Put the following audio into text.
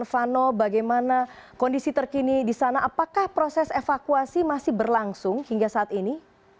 vano bagaimana kondisi terkini di sana apakah proses evakuasi masih berlangsung hingga saat ini